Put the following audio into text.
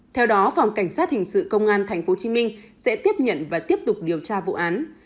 theo đó phòng cảnh sát hình sự công an tp hcm sẽ tiếp nhận và tiếp tục điều tra vụ án